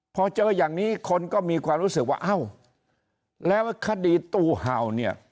พอเจออย่างนี้คนก็มีความรู้สึกว่าเอ้าแล้วคดีตู้เห่าเนี่ย